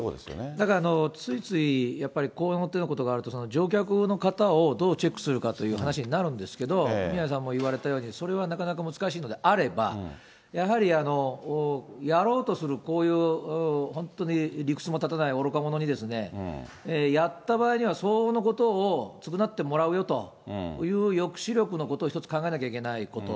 だから、ついついやっぱりこの手のことがあると、乗客の方をどうチェックするかという話になるんですけど、宮根さんも言われたとおり、それはなかなか難しいのであれば、やはりやろうとする、こういう本当に理屈も立たない愚か者に、やった場合には、相応のことを償ってもらうよという抑止力のことを一つ考えなきゃいけないこと。